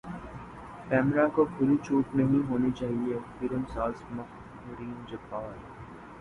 پیمرا کو کھلی چھوٹ نہیں ہونی چاہیے فلم ساز مہرین جبار